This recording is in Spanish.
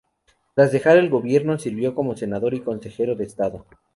Tras dejar el gobierno sirvió como senador y consejero de estado.